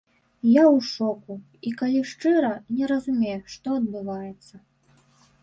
Я ў шоку і, калі шчыра, не разумею, што адбываецца.